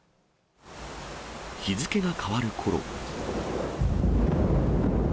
日付が変わるころ。